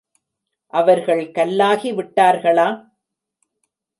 அவர்கள் கல்லாகி விட்டாாகளா?